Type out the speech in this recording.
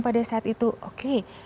pada saat itu oke